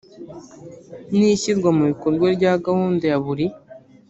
n ishyirwa mu bikorwa rya gahunda ya buri